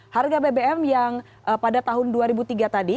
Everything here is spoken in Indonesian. harga bbm yang pada tahun dua ribu tiga tadi